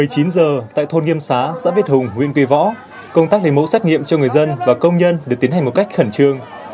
một mươi chín giờ tại thôn nghiêm xá xã việt hùng huyện tuy võ công tác lấy mẫu xét nghiệm cho người dân và công nhân được tiến hành một cách khẩn trương